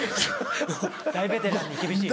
大ベテランに厳しい。